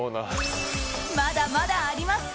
まだまだあります！